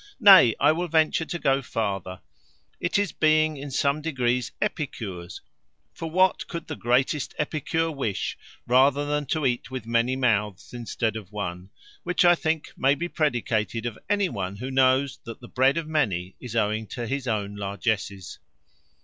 Nay, I will venture to go farther, it is being in some degree epicures: for what could the greatest epicure wish rather than to eat with many mouths instead of one? which I think may be predicated of any one who knows that the bread of many is owing to his own largesses.